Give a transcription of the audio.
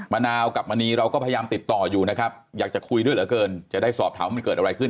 มะนาวกับมณีเราก็พยายามติดต่ออยู่นะครับอยากจะคุยด้วยเหลือเกินจะได้สอบถามว่ามันเกิดอะไรขึ้น